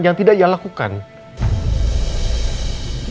yang tidak ia lakukan